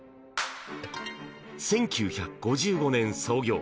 １９５５年創業。